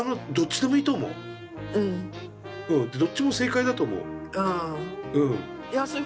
でどっちも正解だと思う。